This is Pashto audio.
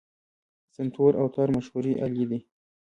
سنتور او تار مشهورې الې دي.